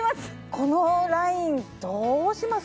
このラインどうします？